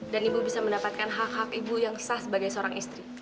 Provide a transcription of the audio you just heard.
dan ibu bisa mendapatkan hak hak ibu yang sah sebagai seorang istri